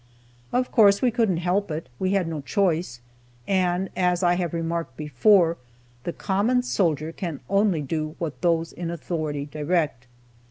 Of course we couldn't help it; we had no choice; and, as I have remarked before, the common soldier can only do what those in authority direct.